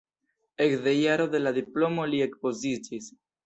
Ekde jaro de la diplomo li ekspoziciis.